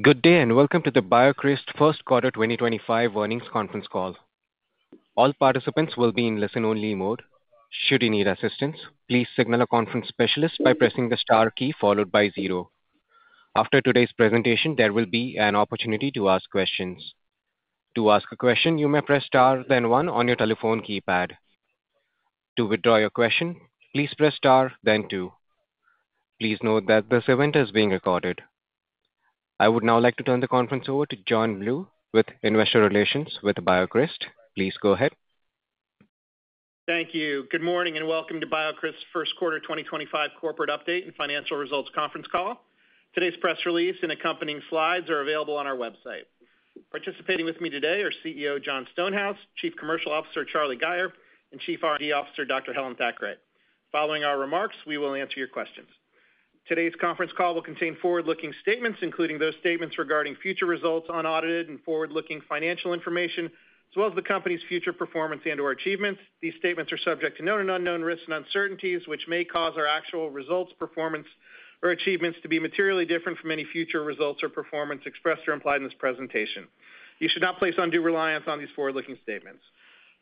Good day and welcome to the BioCryst First Quarter 2025 Earnings Conference Call. All participants will be in listen-only mode. Should you need assistance, please signal a conference specialist by pressing the star key followed by zero. After today's presentation, there will be an opportunity to ask questions. To ask a question, you may press star then one on your telephone keypad. To withdraw your question, please press star then two. Please note that this event is being recorded. I would now like to turn the conference over to John Bluth with Investor Relations with BioCryst. Please go ahead. Thank you. Good morning and welcome to BioCryst First Quarter 2025 Corporate Update and Financial Results Conference Call. Today's press release and accompanying slides are available on our website. Participating with me today are CEO Jon Stonehouse, Chief Commercial Officer Charlie Gayer, and Chief R&D Officer Dr. Helen Thackray. Following our remarks, we will answer your questions. Today's conference call will contain forward-looking statements, including those statements regarding future results, unaudited and forward-looking financial information, as well as the company's future performance and/or achievements. These statements are subject to known and unknown risks and uncertainties, which may cause our actual results, performance, or achievements to be materially different from any future results or performance expressed or implied in this presentation. You should not place undue reliance on these forward-looking statements.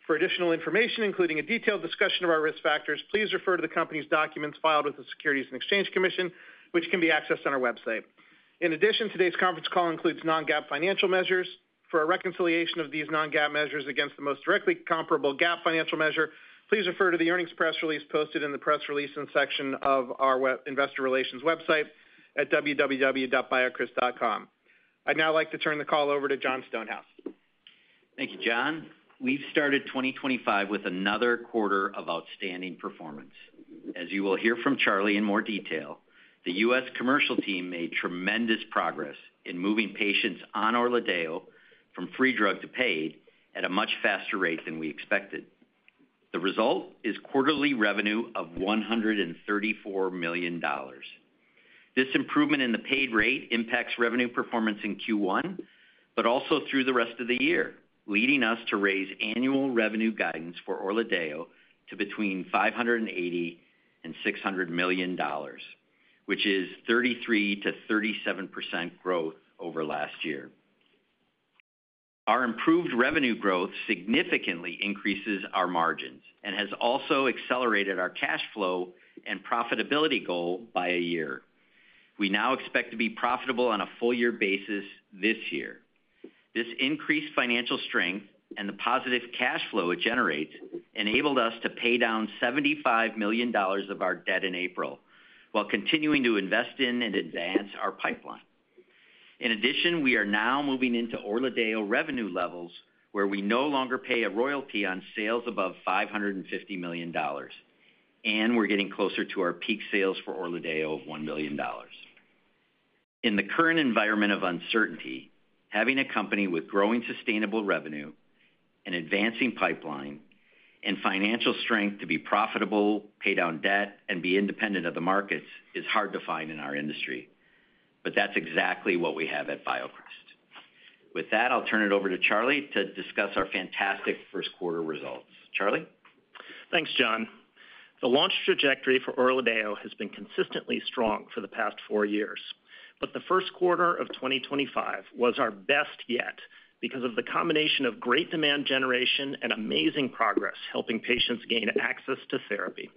For additional information, including a detailed discussion of our risk factors, please refer to the company's documents filed with the Securities and Exchange Commission, which can be accessed on our website. In addition, today's conference call includes non-GAAP financial measures. For a reconciliation of these non-GAAP measures against the most directly comparable GAAP financial measure, please refer to the earnings press release posted in the press release section of our Investor Relations website at www.biocryst.com. I'd now like to turn the call over to Jon Stonehouse. Thank you, John. We've started 2025 with another quarter of outstanding performance. As you will hear from Charlie in more detail, the U.S. commercial team made tremendous progress in moving patients on ORLADEYO from free drug to paid at a much faster rate than we expected. The result is quarterly revenue of $134 million. This improvement in the paid rate impacts revenue performance in Q1, but also through the rest of the year, leading us to raise annual revenue guidance for ORLADEYO to between $580 million and $600 million, which is 33%-37% growth over last year. Our improved revenue growth significantly increases our margins and has also accelerated our cash flow and profitability goal by a year. We now expect to be profitable on a full-year basis this year. This increased financial strength and the positive cash flow it generates enabled us to pay down $75 million of our debt in April while continuing to invest in and advance our pipeline. In addition, we are now moving into ORLADEYO revenue levels where we no longer pay a royalty on sales above $550 million, and we're getting closer to our peak sales for ORLADEYO of $1 billion. In the current environment of uncertainty, having a company with growing sustainable revenue, an advancing pipeline, and financial strength to be profitable, pay down debt, and be independent of the markets is hard to find in our industry, but that's exactly what we have at BioCryst. With that, I'll turn it over to Charlie to discuss our fantastic first quarter results. Charlie? Thanks, Jon. The launch trajectory for ORLADEYO has been consistently strong for the past four years, but the first quarter of 2025 was our best yet because of the combination of great demand generation and amazing progress helping patients gain access to therapy.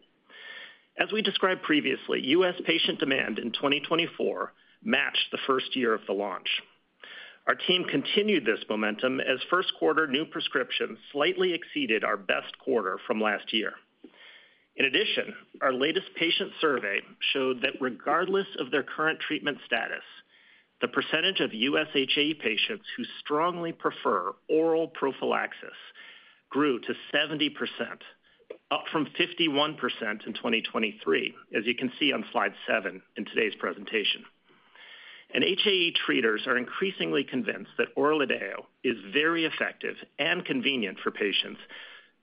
As we described previously, U.S. patient demand in 2024 matched the first year of the launch. Our team continued this momentum as first quarter new prescriptions slightly exceeded our best quarter from last year. In addition, our latest patient survey showed that regardless of their current treatment status, the percentage of U.S. HAE patients who strongly prefer oral prophylaxis grew to 70%, up from 51% in 2023, as you can see on slide seven in today's presentation. HAE treaters are increasingly convinced that ORLADEYO is very effective and convenient for patients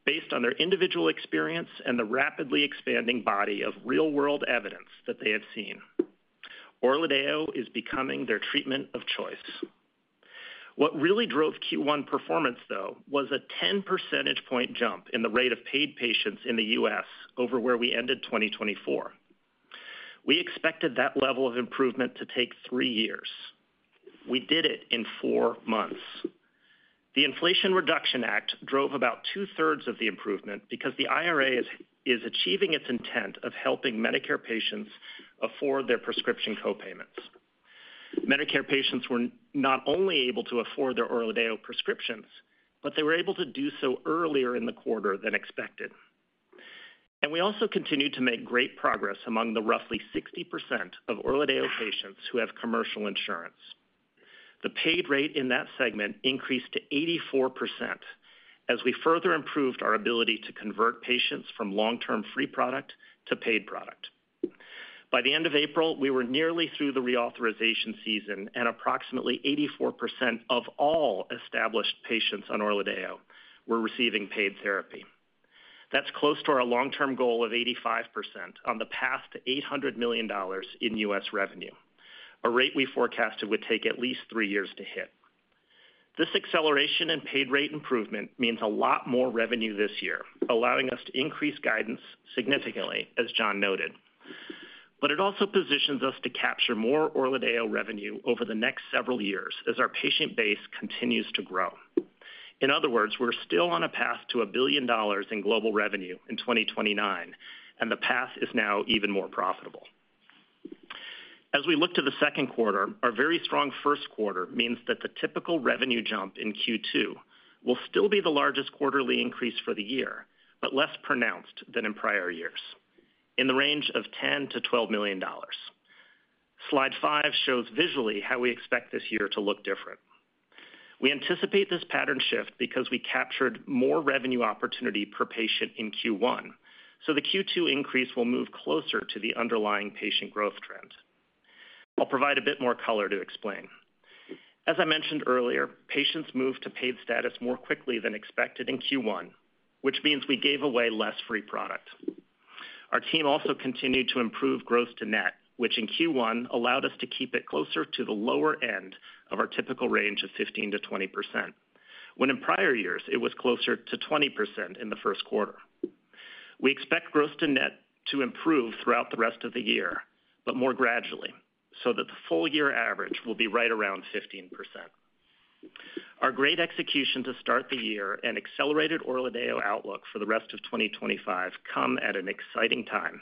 based on their individual experience and the rapidly expanding body of real-world evidence that they have seen. ORLADEYO is becoming their treatment of choice. What really drove Q1 performance, though, was a 10 percentage point jump in the rate of paid patients in the U.S. over where we ended 2024. We expected that level of improvement to take three years. We did it in four months. The Inflation Reduction Act drove about two-thirds of the improvement because the IRA is achieving its intent of helping Medicare patients afford their prescription co-payments. Medicare patients were not only able to afford their ORLADEYO prescriptions, but they were able to do so earlier in the quarter than expected. We also continued to make great progress among the roughly 60% of ORLADEYO patients who have commercial insurance. The paid rate in that segment increased to 84% as we further improved our ability to convert patients from long-term free product to paid product. By the end of April, we were nearly through the reauthorization season, and approximately 84% of all established patients on ORLADEYO were receiving paid therapy. That's close to our long-term goal of 85% on the path to $800 million in U.S. revenue, a rate we forecast it would take at least three years to hit. This acceleration in paid rate improvement means a lot more revenue this year, allowing us to increase guidance significantly, as Jon noted. It also positions us to capture more ORLADEYO revenue over the next several years as our patient base continues to grow. In other words, we're still on a path to a billion dollars in global revenue in 2029, and the path is now even more profitable. As we look to the second quarter, our very strong first quarter means that the typical revenue jump in Q2 will still be the largest quarterly increase for the year, but less pronounced than in prior years, in the range of $10-$12 million. Slide five shows visually how we expect this year to look different. We anticipate this pattern shift because we captured more revenue opportunity per patient in Q1, so the Q2 increase will move closer to the underlying patient growth trend. I'll provide a bit more color to explain. As I mentioned earlier, patients moved to paid status more quickly than expected in Q1, which means we gave away less free product. Our team also continued to improve gross to net, which in Q1 allowed us to keep it closer to the lower end of our typical range of 15%-20%, when in prior years it was closer to 20% in the first quarter. We expect gross to net to improve throughout the rest of the year, but more gradually, so that the full-year average will be right around 15%. Our great execution to start the year and accelerated ORLADEYO outlook for the rest of 2025 come at an exciting time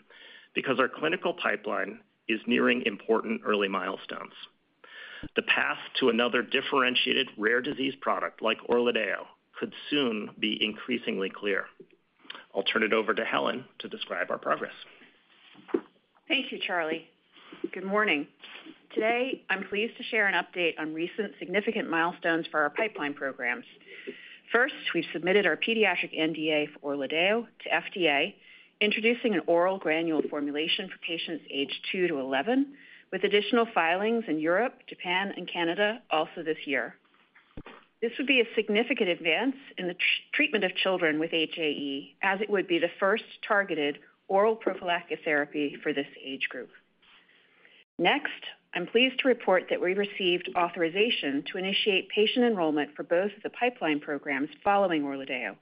because our clinical pipeline is nearing important early milestones. The path to another differentiated rare disease product like ORLADEYO could soon be increasingly clear. I'll turn it over to Helen to describe our progress. Thank you, Charlie. Good morning. Today, I'm pleased to share an update on recent significant milestones for our pipeline programs. First, we've submitted our pediatric NDA for ORLADEYO to FDA, introducing an oral granule formulation for patients aged two to 11, with additional filings in Europe, Japan, and Canada also this year. This would be a significant advance in the treatment of children with HAE, as it would be the first targeted oral prophylactic therapy for this age group. Next, I'm pleased to report that we received authorization to initiate patient enrollment for both of the pipeline programs following ORLADEYO: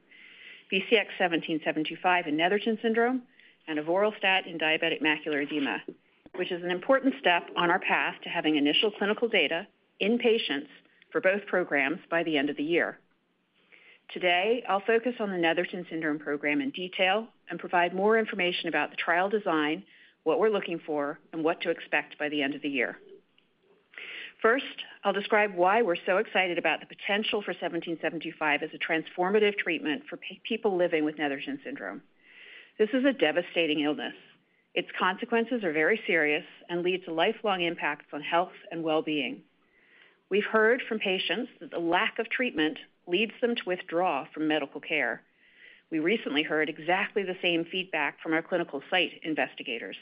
BCX17725 and Netherton syndrome, and avoralstat in diabetic macular edema, which is an important step on our path to having initial clinical data in patients for both programs by the end of the year. Today, I'll focus on the Netherton Syndrome program in detail and provide more information about the trial design, what we're looking for, and what to expect by the end of the year. First, I'll describe why we're so excited about the potential for 17725 as a transformative treatment for people living with Netherton Syndrome. This is a devastating illness. Its consequences are very serious and lead to lifelong impacts on health and well-being. We've heard from patients that the lack of treatment leads them to withdraw from medical care. We recently heard exactly the same feedback from our clinical site investigators.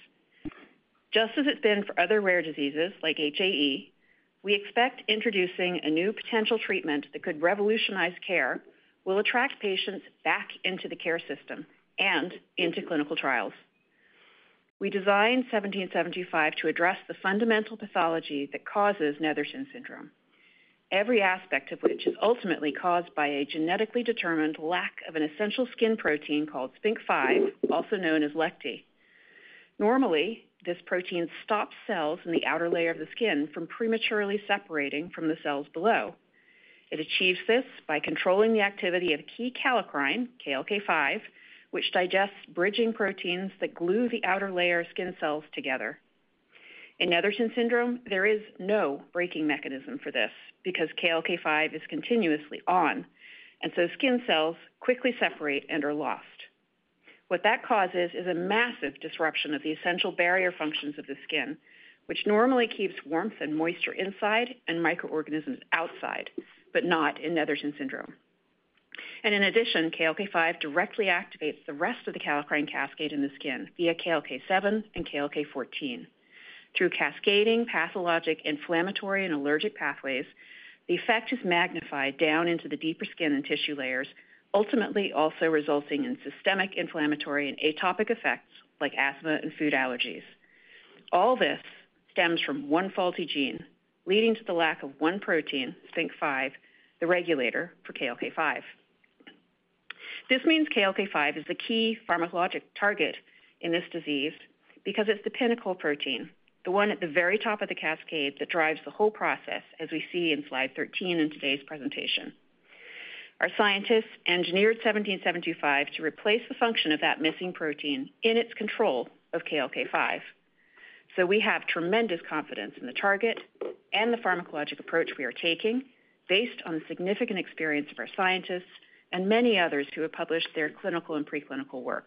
Just as it's been for other rare diseases like HAE, we expect introducing a new potential treatment that could revolutionize care will attract patients back into the care system and into clinical trials. We designed 17725 to address the fundamental pathology that causes Netherton syndrome, every aspect of which is ultimately caused by a genetically determined lack of an essential skin protein called SPINK5, also known as LEKTI. Normally, this protein stops cells in the outer layer of the skin from prematurely separating from the cells below. It achieves this by controlling the activity of key kallikrein KLK5, which digests bridging proteins that glue the outer layer of skin cells together. In Netherton syndrome, there is no braking mechanism for this because KLK5 is continuously on, and so skin cells quickly separate and are lost. What that causes is a massive disruption of the essential barrier functions of the skin, which normally keeps warmth and moisture inside and microorganisms outside, but not in Netherton syndrome. In addition, KLK5 directly activates the rest of the kallikrein cascade in the skin via KLK7 and KLK14. Through cascading pathologic inflammatory and allergic pathways, the effect is magnified down into the deeper skin and tissue layers, ultimately also resulting in systemic inflammatory and atopic effects like asthma and food allergies. All this stems from one faulty gene, leading to the lack of one protein, SPINK5, the regulator for KLK5. This means KLK5 is the key pharmacologic target in this disease because it's the pinnacle protein, the one at the very top of the cascade that drives the whole process, as we see in slide 13 in today's presentation. Our scientists engineered 17725 to replace the function of that missing protein in its control of KLK5. We have tremendous confidence in the target and the pharmacologic approach we are taking, based on the significant experience of our scientists and many others who have published their clinical and preclinical work.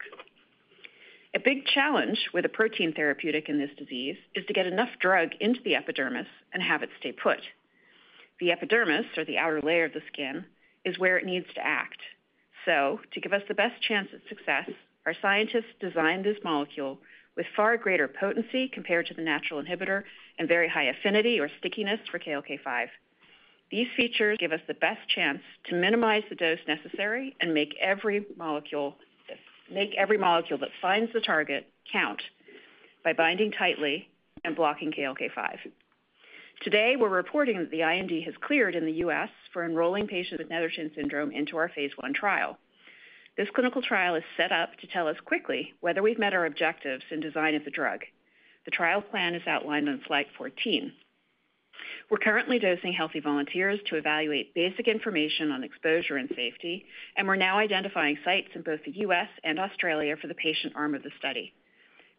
A big challenge with a protein therapeutic in this disease is to get enough drug into the epidermis and have it stay put. The epidermis, or the outer layer of the skin, is where it needs to act. To give us the best chance at success, our scientists designed this molecule with far greater potency compared to the natural inhibitor and very high affinity or stickiness for KLK5. These features give us the best chance to minimize the dose necessary and make every molecule that finds the target count by binding tightly and blocking KLK5. Today, we're reporting that the IND has cleared in the U.S. for enrolling patients with Netherton syndrome into our phase I trial. This clinical trial is set up to tell us quickly whether we've met our objectives in design of the drug. The trial plan is outlined on slide 14. We're currently dosing healthy volunteers to evaluate basic information on exposure and safety, and we're now identifying sites in both the U.S. and Australia for the patient arm of the study.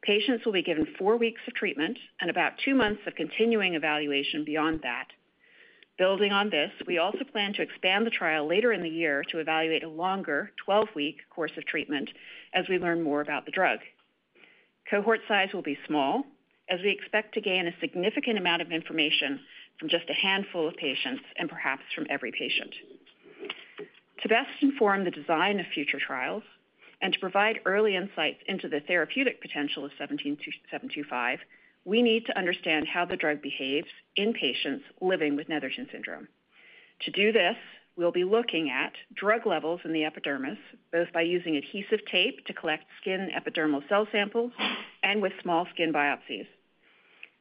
Patients will be given four weeks of treatment and about two months of continuing evaluation beyond that. Building on this, we also plan to expand the trial later in the year to evaluate a longer 12-week course of treatment as we learn more about the drug. Cohort size will be small, as we expect to gain a significant amount of information from just a handful of patients and perhaps from every patient. To best inform the design of future trials and to provide early insights into the therapeutic potential of 17725, we need to understand how the drug behaves in patients living with Netherton syndrome. To do this, we'll be looking at drug levels in the epidermis, both by using adhesive tape to collect skin epidermal cell samples and with small skin biopsies.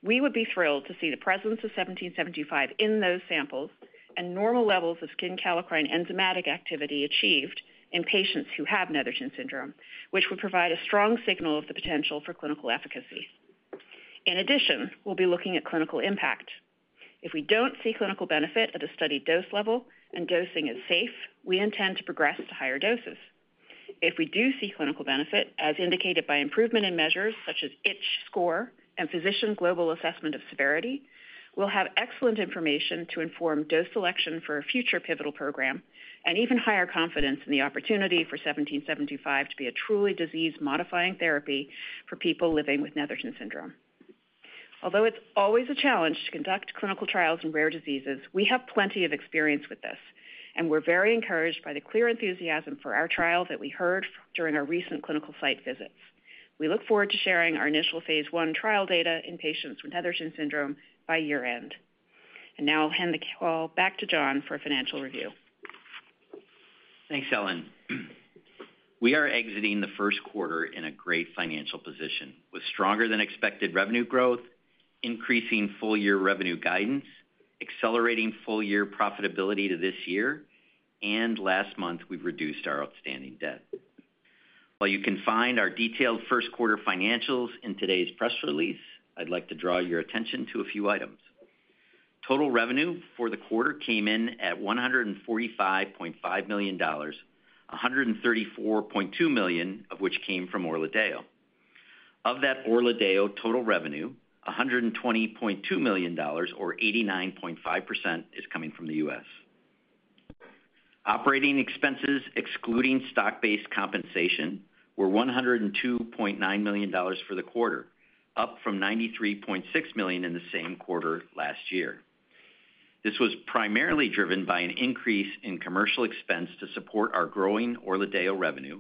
We would be thrilled to see the presence of 17725 in those samples and normal levels of skin kallikrein enzymatic activity achieved in patients who have Netherton syndrome, which would provide a strong signal of the potential for clinical efficacy. In addition, we'll be looking at clinical impact. If we don't see clinical benefit at a studied dose level and dosing is safe, we intend to progress to higher doses. If we do see clinical benefit, as indicated by improvement in measures such as Itch Score and Physician Global Assessment of Severity, we'll have excellent information to inform dose selection for a future pivotal program and even higher confidence in the opportunity for 17725 to be a truly disease-modifying therapy for people living with Netherton syndrome. Although it's always a challenge to conduct clinical trials in rare diseases, we have plenty of experience with this, and we're very encouraged by the clear enthusiasm for our trial that we heard during our recent clinical site visits. We look forward to sharing our initial phase one trial data in patients with Netherton syndrome by year-end. I'll hand the call back to Jon for a financial review. Thanks, Helen. We are exiting the first quarter in a great financial position, with stronger-than-expected revenue growth, increasing full-year revenue guidance, accelerating full-year profitability to this year, and last month we reduced our outstanding debt. While you can find our detailed first quarter financials in today's press release, I'd like to draw your attention to a few items. Total revenue for the quarter came in at $145.5 million, $134.2 million of which came from ORLADEYO. Of that ORLADEYO total revenue, $120.2 million, or 89.5%, is coming from the U.S. Operating expenses, excluding stock-based compensation, were $102.9 million for the quarter, up from $93.6 million in the same quarter last year. This was primarily driven by an increase in commercial expense to support our growing ORLADEYO revenue,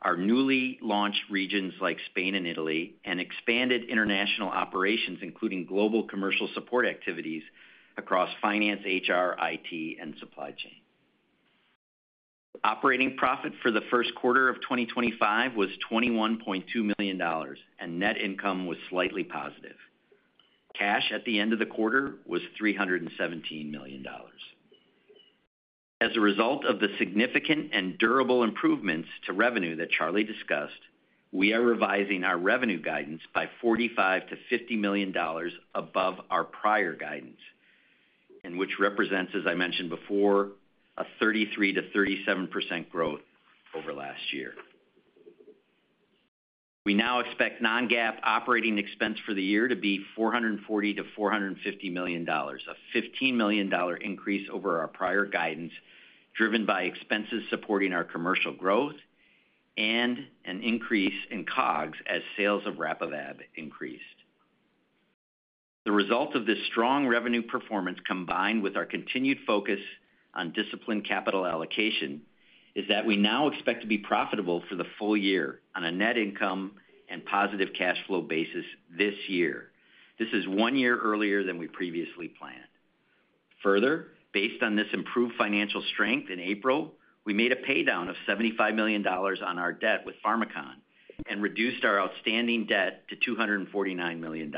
our newly launched regions like Spain and Italy, and expanded international operations, including global commercial support activities across finance, HR, IT, and supply chain. Operating profit for the first quarter of 2025 was $21.2 million, and net income was slightly positive. Cash at the end of the quarter was $317 million. As a result of the significant and durable improvements to revenue that Charlie discussed, we are revising our revenue guidance by $45-$50 million above our prior guidance, which represents, as I mentioned before, a 33%-37% growth over last year. We now expect non-GAAP operating expense for the year to be $440-$450 million, a $15 million increase over our prior guidance driven by expenses supporting our commercial growth and an increase in COGS as sales of Rapivab increased. The result of this strong revenue performance, combined with our continued focus on disciplined capital allocation, is that we now expect to be profitable for the full year on a net income and positive cash flow basis this year. This is one year earlier than we previously planned. Further, based on this improved financial strength in April, we made a paydown of $75 million on our debt with Pharmakon and reduced our outstanding debt to $249 million.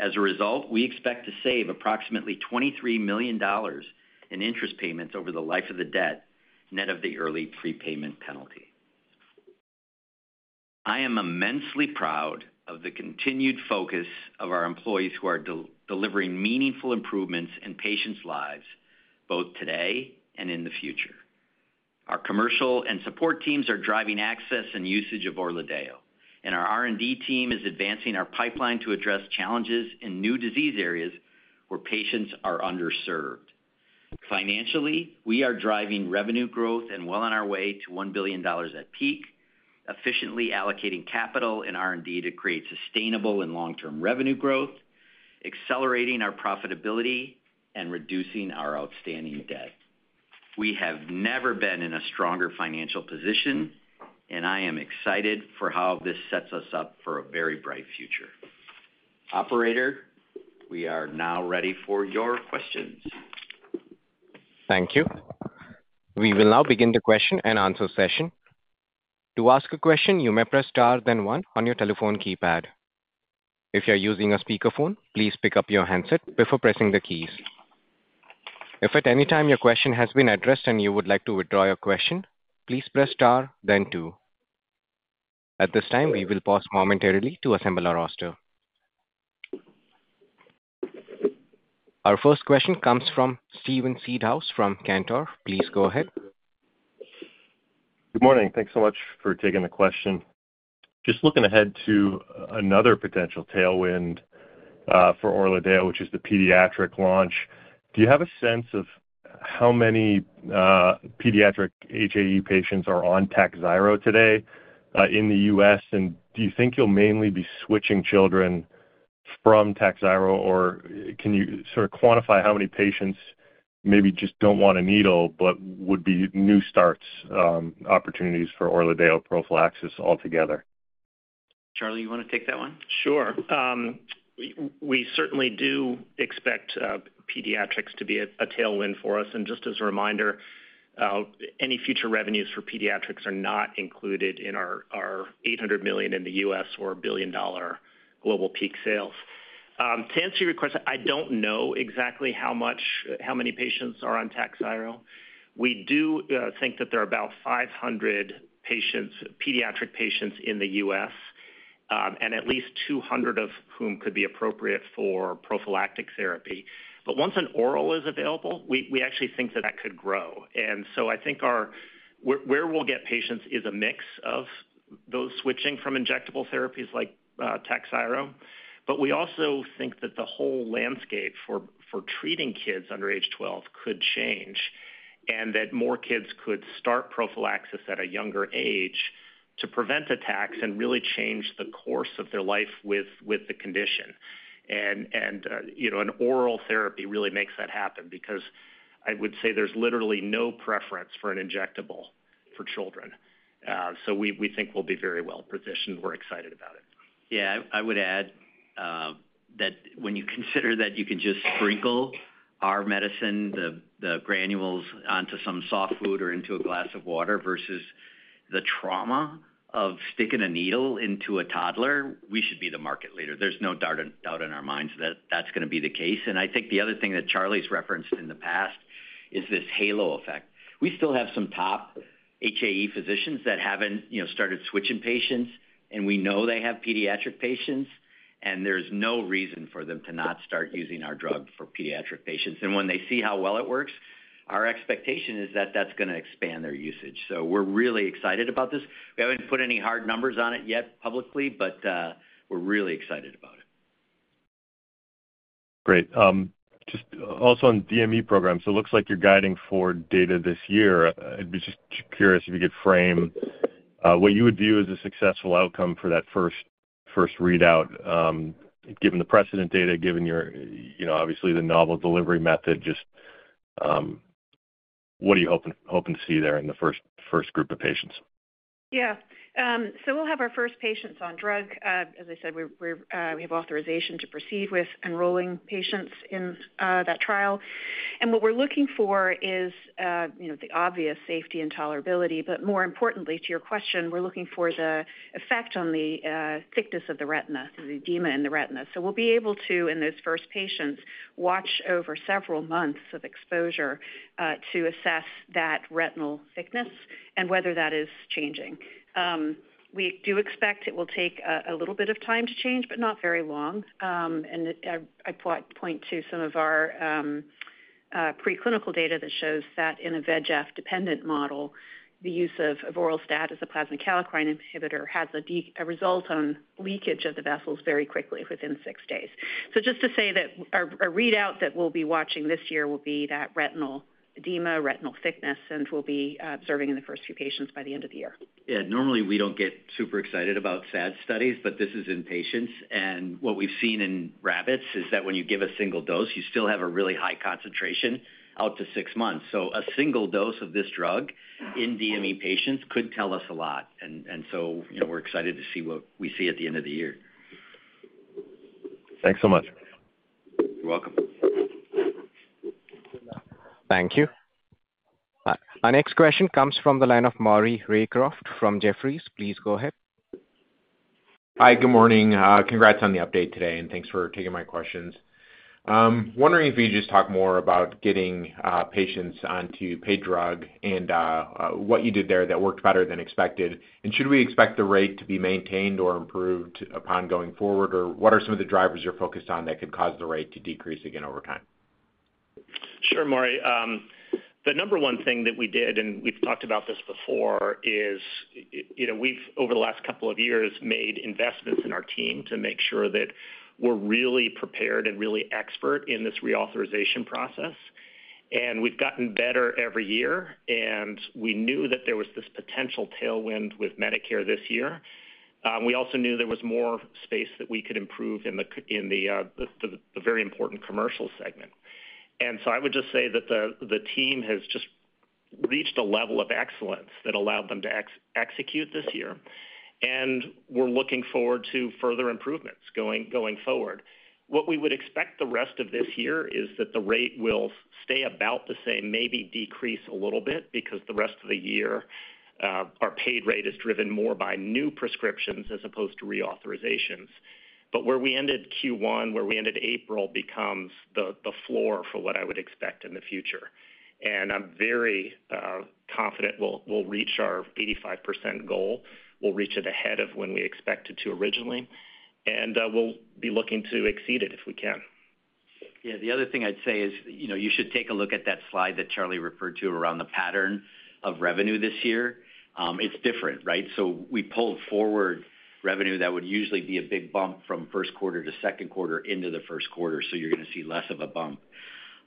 As a result, we expect to save approximately $23 million in interest payments over the life of the debt, net of the early prepayment penalty. I am immensely proud of the continued focus of our employees who are delivering meaningful improvements in patients' lives, both today and in the future. Our commercial and support teams are driving access and usage of ORLADEYO, and our R&D team is advancing our pipeline to address challenges in new disease areas where patients are underserved. Financially, we are driving revenue growth and well on our way to $1 billion at peak, efficiently allocating capital and R&D to create sustainable and long-term revenue growth, accelerating our profitability and reducing our outstanding debt. We have never been in a stronger financial position, and I am excited for how this sets us up for a very bright future. Operator, we are now ready for your questions. Thank you. We will now begin the question and answer session. To ask a question, you may press * then 1 on your telephone keypad. If you're using a speakerphone, please pick up your handset before pressing the keys. If at any time your question has been addressed and you would like to withdraw your question, please press * then 2. At this time, we will pause momentarily to assemble our roster. Our first question comes from Steven Seedhouse from Cantor. Please go ahead. Good morning. Thanks so much for taking the question. Just looking ahead to another potential tailwind for ORLADEYO, which is the pediatric launch. Do you have a sense of how many pediatric HAE patients are on TAKHZYRO today in the U.S., and do you think you'll mainly be switching children from TAKHZYRO or can you sort of quantify how many patients maybe just don't want a needle but would be new starts opportunities for ORLADEYO prophylaxis altogether? Charlie, you want to take that one? Sure. We certainly do expect pediatrics to be a tailwind for us. Just as a reminder, any future revenues for pediatrics are not included in our $800 million in the U.S. or $1 billion global peak sales. To answer your question, I don't know exactly how many patients are on TAKHZYRO. We do think that there are about 500 pediatric patients in the U.S., and at least 200 of whom could be appropriate for prophylactic therapy. Once an oral is available, we actually think that that could grow. I think where we'll get patients is a mix of those switching from injectable therapies like TAKHZYRO. We also think that the whole landscape for treating kids under age 12 could change and that more kids could start prophylaxis at a younger age to prevent attacks and really change the course of their life with the condition. An oral therapy really makes that happen because I would say there's literally no preference for an injectable for children. We think we'll be very well positioned. We're excited about it. Yeah, I would add that when you consider that you can just sprinkle our medicine, the granules, onto some soft food or into a glass of water versus the trauma of sticking a needle into a toddler, we should be the market leader. There is no doubt in our minds that that is going to be the case. I think the other thing that Charlie's referenced in the past is this halo effect. We still have some top HAE physicians that have not started switching patients, and we know they have pediatric patients, and there is no reason for them to not start using our drug for pediatric patients. When they see how well it works, our expectation is that that is going to expand their usage. We are really excited about this. We have not put any hard numbers on it yet publicly, but we are really excited about it. Great. Just also on DME program, it looks like you're guiding forward data this year. I'd be just curious if you could frame what you would view as a successful outcome for that first readout, given the precedent data, given your, obviously, the novel delivery method. Just what are you hoping to see there in the first group of patients? Yeah. We'll have our first patients on drug. As I said, we have authorization to proceed with enrolling patients in that trial. What we're looking for is the obvious safety and tolerability. More importantly, to your question, we're looking for the effect on the thickness of the retina, the edema in the retina. We'll be able to, in those first patients, watch over several months of exposure to assess that retinal thickness and whether that is changing. We do expect it will take a little bit of time to change, but not very long. I point to some of our preclinical data that shows that in a VEGF-dependent model, the use of oral stat as a plasma kallikrein inhibitor has a result on leakage of the vessels very quickly within six days. Just to say that our readout that we'll be watching this year will be that retinal edema, retinal thickness, and we'll be observing in the first few patients by the end of the year. Yeah. Normally, we don't get super excited about SAD studies, but this is in patients. What we've seen in rabbits is that when you give a single dose, you still have a really high concentration out to six months. A single dose of this drug in DME patients could tell us a lot. We're excited to see what we see at the end of the year. Thanks so much. You're welcome. Thank you. Our next question comes from the line of Mauri Raycroft from Jefferies. Please go ahead. Hi, good morning. Congrats on the update today, and thanks for taking my questions. Wondering if you could just talk more about getting patients onto paid drug and what you did there that worked better than expected. Should we expect the rate to be maintained or improved upon going forward, or what are some of the drivers you're focused on that could cause the rate to decrease again over time? Sure, Mauri. The number one thing that we did, and we've talked about this before, is we've, over the last couple of years, made investments in our team to make sure that we're really prepared and really expert in this reauthorization process. We've gotten better every year, and we knew that there was this potential tailwind with Medicare this year. We also knew there was more space that we could improve in the very important commercial segment. I would just say that the team has just reached a level of excellence that allowed them to execute this year, and we're looking forward to further improvements going forward. What we would expect the rest of this year is that the rate will stay about the same, maybe decrease a little bit, because the rest of the year our paid rate is driven more by new prescriptions as opposed to reauthorizations. Where we ended Q1, where we ended April, becomes the floor for what I would expect in the future. I'm very confident we'll reach our 85% goal. We'll reach it ahead of when we expected to originally, and we'll be looking to exceed it if we can. Yeah. The other thing I'd say is you should take a look at that slide that Charlie referred to around the pattern of revenue this year. It's different, right? We pulled forward revenue that would usually be a big bump from first quarter to second quarter into the first quarter, so you're going to see less of a bump.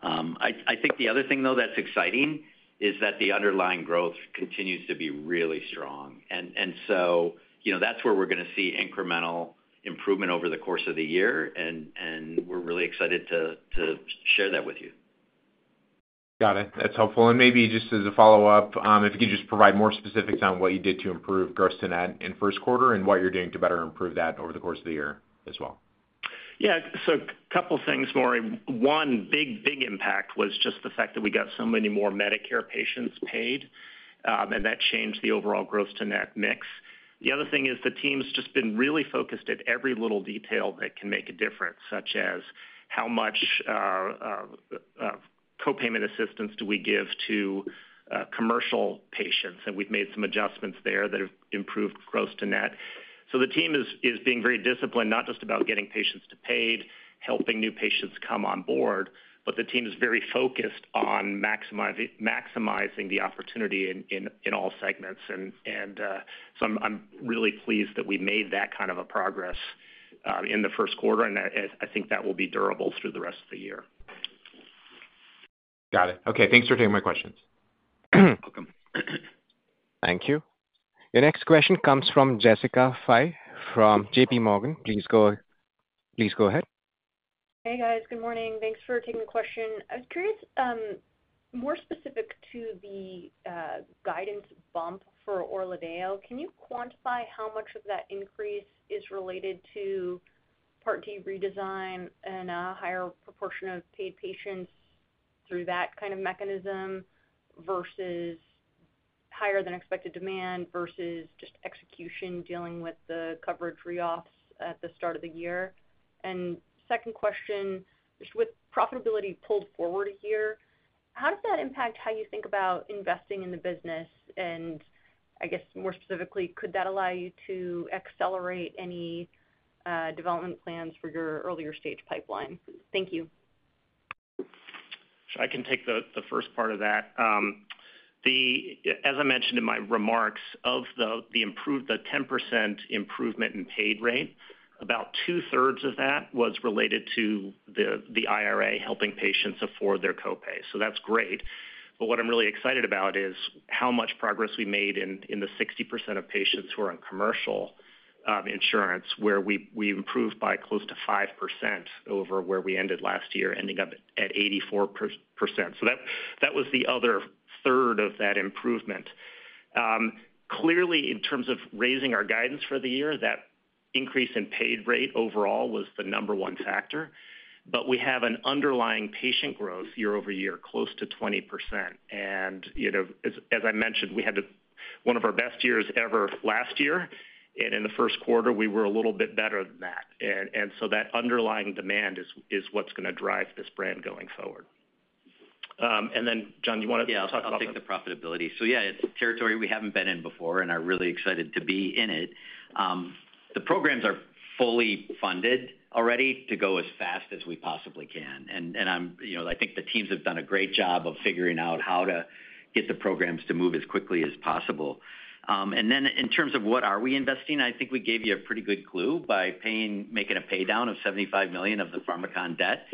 I think the other thing, though, that's exciting is that the underlying growth continues to be really strong. That's where we're going to see incremental improvement over the course of the year, and we're really excited to share that with you. Got it. That's helpful. Maybe just as a follow-up, if you could just provide more specifics on what you did to improve gross to net in first quarter and what you're doing to better improve that over the course of the year as well. Yeah. A couple of things, Mauri. One, big, big impact was just the fact that we got so many more Medicare patients paid, and that changed the overall gross to net mix. The other thing is the team's just been really focused at every little detail that can make a difference, such as how much co-payment assistance do we give to commercial patients. We've made some adjustments there that have improved gross to net. The team is being very disciplined, not just about getting patients to paid, helping new patients come on board, but the team is very focused on maximizing the opportunity in all segments. I'm really pleased that we made that kind of a progress in the first quarter, and I think that will be durable through the rest of the year. Got it. Okay. Thanks for taking my questions. You're welcome. Thank you. The next question comes from Jessica Fye from JPMorgan. Please go ahead. Hey, guys. Good morning. Thanks for taking the question. I was curious, more specific to the guidance bump for ORLADEYO, can you quantify how much of that increase is related to part D redesign and a higher proportion of paid patients through that kind of mechanism versus higher-than-expected demand versus just execution dealing with the coverage reoffs at the start of the year? Second question, just with profitability pulled forward here, how does that impact how you think about investing in the business? I guess, more specifically, could that allow you to accelerate any development plans for your earlier-stage pipeline? Thank you. I can take the first part of that. As I mentioned in my remarks, of the 10% improvement in paid rate, about two-thirds of that was related to the IRA helping patients afford their co-pay. That is great. What I am really excited about is how much progress we made in the 60% of patients who are on commercial insurance, where we improved by close to 5% over where we ended last year, ending up at 84%. That was the other third of that improvement. Clearly, in terms of raising our guidance for the year, that increase in paid rate overall was the number one factor. We have an underlying patient growth year over year close to 20%. As I mentioned, we had one of our best years ever last year, and in the first quarter, we were a little bit better than that. That underlying demand is what's going to drive this brand going forward. John, you want to talk about that? Yeah, I'll take the profitability. Yeah, it's territory we haven't been in before, and I'm really excited to be in it. The programs are fully funded already to go as fast as we possibly can. I think the teams have done a great job of figuring out how to get the programs to move as quickly as possible. In terms of what are we investing, I think we gave you a pretty good clue by making a paydown of $75 million of the Pharmakon debt.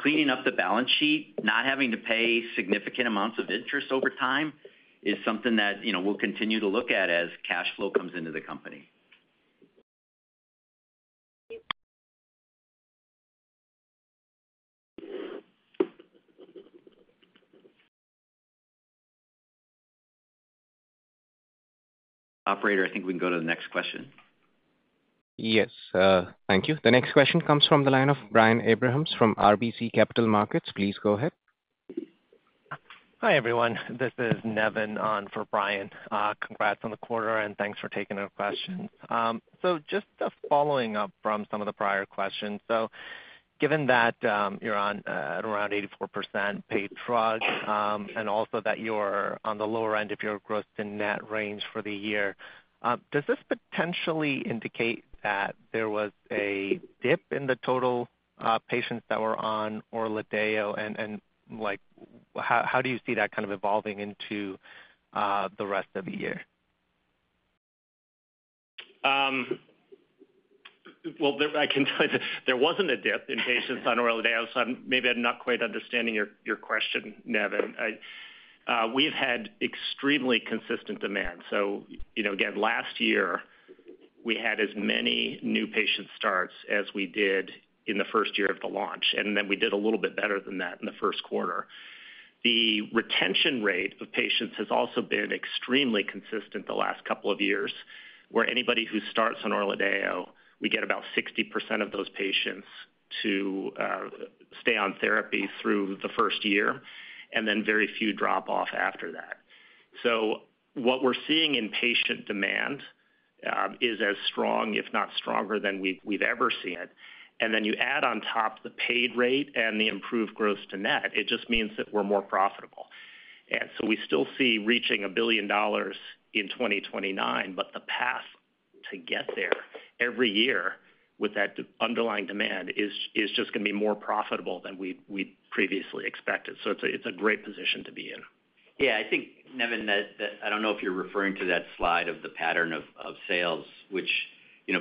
Cleaning up the balance sheet, not having to pay significant amounts of interest over time is something that we'll continue to look at as cash flow comes into the company. Operator, I think we can go to the next question. Yes. Thank you. The next question comes from the line of Brian Abrahams from RBC Capital Markets. Please go ahead. Hi, everyone. This is Nevin on for Brian. Congrats on the quarter, and thanks for taking our questions. Just following up from some of the prior questions, given that you're at around 84% paid drug and also that you're on the lower end of your gross to net range for the year, does this potentially indicate that there was a dip in the total patients that were on ORLADEYO? How do you see that kind of evolving into the rest of the year? I can tell you there wasn't a dip in patients on ORLADEYO. Maybe I'm not quite understanding your question, Nevin. We've had extremely consistent demand. Last year, we had as many new patient starts as we did in the first year of the launch, and we did a little bit better than that in the first quarter. The retention rate of patients has also been extremely consistent the last couple of years, where anybody who starts on ORLADEYO, we get about 60% of those patients to stay on therapy through the first year, and then very few drop off after that. What we're seeing in patient demand is as strong, if not stronger, than we've ever seen it. You add on top the paid rate and the improved gross to net, it just means that we're more profitable. We still see reaching a billion dollars in 2029, but the path to get there every year with that underlying demand is just going to be more profitable than we previously expected. It is a great position to be in. Yeah. I think, Nevin, that I don't know if you're referring to that slide of the pattern of sales, which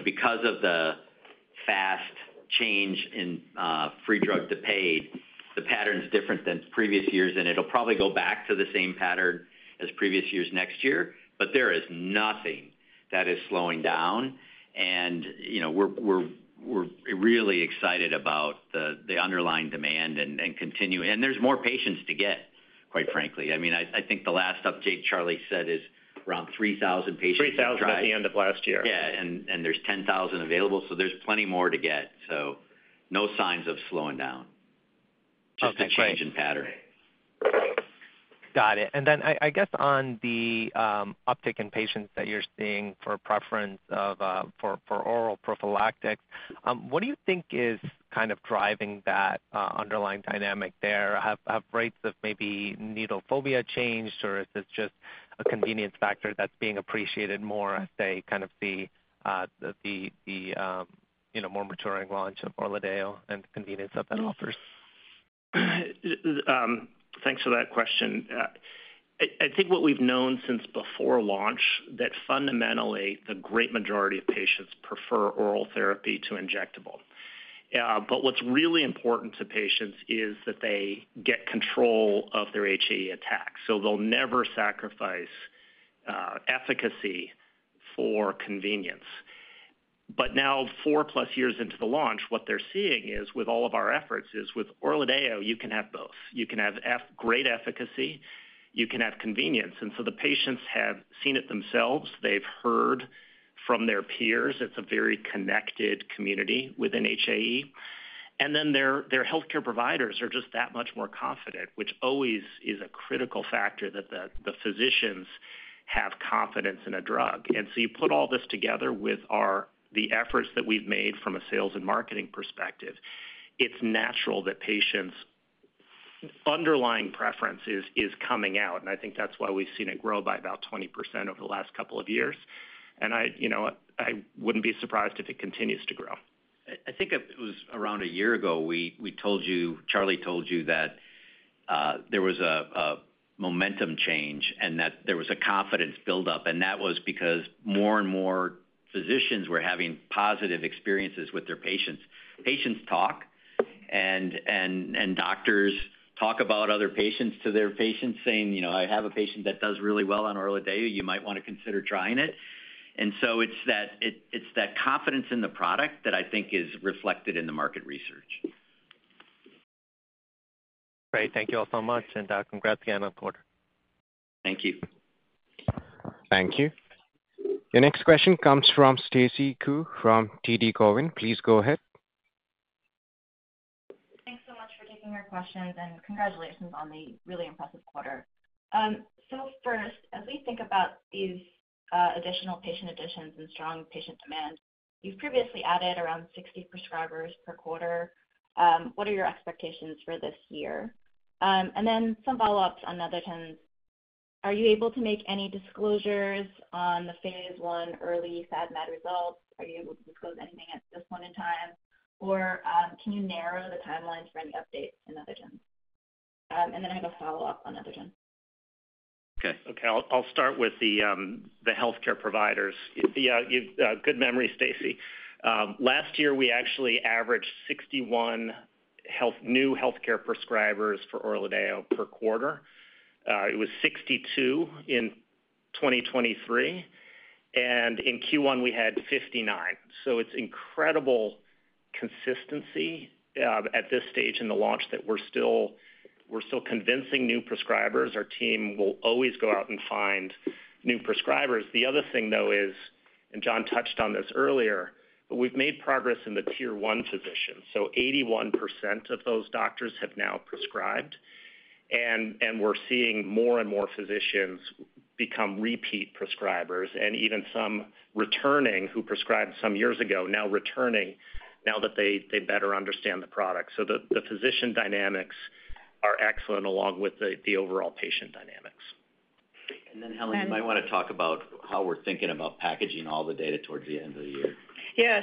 because of the fast change in free drug to paid, the pattern's different than previous years, and it'll probably go back to the same pattern as previous years next year. There is nothing that is slowing down. We're really excited about the underlying demand and continuing. There's more patients to get, quite frankly. I mean, I think the last update Charlie said is around 3,000 patients to drop. 3,000 at the end of last year. Yeah. There are 10,000 available, so there's plenty more to get. No signs of slowing down, just a change in pattern. Got it. I guess on the uptick in patients that you're seeing for preference for oral prophylactics, what do you think is kind of driving that underlying dynamic there? Have rates of maybe needle phobia changed, or is this just a convenience factor that's being appreciated more as they kind of see the more maturing launch of ORLADEYO and the convenience that that offers? Thanks for that question. I think what we've known since before launch is that fundamentally the great majority of patients prefer oral therapy to injectable. What's really important to patients is that they get control of their HAE attack. They'll never sacrifice efficacy for convenience. Now, four-plus years into the launch, what they're seeing with all of our efforts is with ORLADEYO, you can have both. You can have great efficacy. You can have convenience. The patients have seen it themselves. They've heard from their peers. It's a very connected community within HAE. Their healthcare providers are just that much more confident, which always is a critical factor that the physicians have confidence in a drug. You put all this together with the efforts that we've made from a sales and marketing perspective, it's natural that patients' underlying preference is coming out. I think that's why we've seen it grow by about 20% over the last couple of years. I wouldn't be surprised if it continues to grow. I think it was around a year ago we told you, Charlie told you that there was a momentum change and that there was a confidence buildup. That was because more and more physicians were having positive experiences with their patients. Patients talk, and doctors talk about other patients to their patients saying, "I have a patient that does really well on ORLADEYO. You might want to consider trying it." It is that confidence in the product that I think is reflected in the market research. Great. Thank you all so much, and congrats again on the quarter. Thank you. Thank you. The next question comes from Stacy Ku from TD Cowen. Please go ahead. Thanks so much for taking our questions, and congratulations on the really impressive quarter. First, as we think about these additional patient additions and strong patient demand, you've previously added around 60 prescribers per quarter. What are your expectations for this year? I have some follow-ups on the other terms. Are you able to make any disclosures on the phase I early FAD/MAD results? Are you able to disclose anything at this point in time? Can you narrow the timeline for any updates in other terms? I have a follow-up on other terms. Okay. Okay. I'll start with the healthcare providers. You have good memory, Stacy. Last year, we actually averaged 61 new healthcare prescribers for ORLADEYO per quarter. It was 62 in 2023. In Q1, we had 59. It is incredible consistency at this stage in the launch that we're still convincing new prescribers. Our team will always go out and find new prescribers. The other thing is, and Jon touched on this earlier, we have made progress in the tier one physician. 81% of those doctors have now prescribed. We are seeing more and more physicians become repeat prescribers and even some returning who prescribed some years ago, now returning, now that they better understand the product. The physician dynamics are excellent along with the overall patient dynamics. Helen, you might want to talk about how we're thinking about packaging all the data towards the end of the year. Yeah.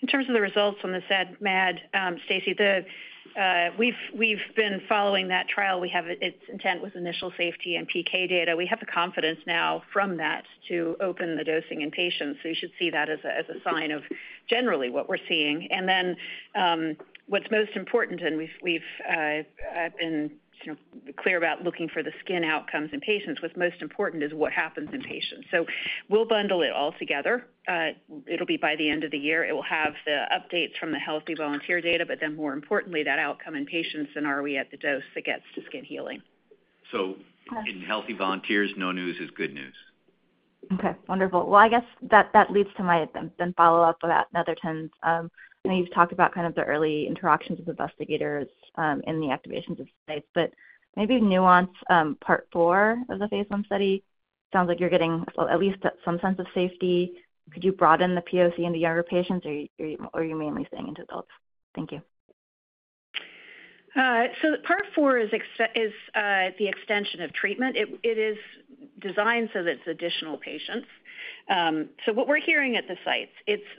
In terms of the results on the FAD/MAD, Stacey, we've been following that trial. We have its intent with initial safety and PK data. We have the confidence now from that to open the dosing in patients. You should see that as a sign of generally what we're seeing. What's most important, and we've been clear about looking for the skin outcomes in patients, what's most important is what happens in patients. We'll bundle it all together. It'll be by the end of the year. It will have the updates from the healthy volunteer data, but then more importantly, that outcome in patients and are we at the dose that gets to skin healing. In healthy volunteers, no news is good news. Okay. Wonderful. I guess that leads to my then follow-up about another terms. I know you've talked about kind of the early interactions with investigators in the activations of sites, but maybe nuance part four of the phase one study. Sounds like you're getting at least some sense of safety. Could you broaden the POC into younger patients, or are you mainly saying into adults? Thank you. Part four is the extension of treatment. It is designed so that it's additional patients. What we're hearing at the sites,